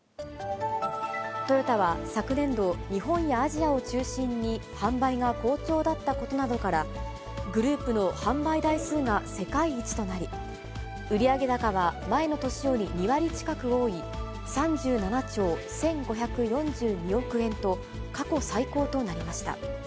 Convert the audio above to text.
トヨタは昨年度、日本やアジアを中心に販売が好調だったことなどから、グループの販売台数が世界一となり、売上高は前の年より２割近く多い３７兆１５４２億円と、過去最高となりました。